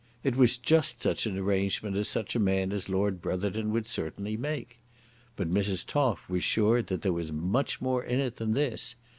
It was just such an arrangement as such a man as Lord Brotherton would certainly make. But Mrs. Toff was sure that there was more in it than this.